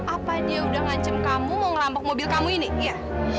apa dia udah ngancam kamu mau ngerampok mobil kamu ini ya